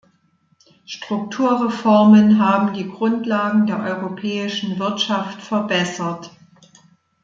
Strukturreformen haben die Grundlagen der europäischen Wirtschaft verbessert.